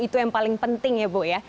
itu yang paling penting ya bu ya